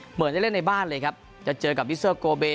เหมือนจะเล่นในบ้านเลยครับจะเจอกับวิเซอร์โกเบ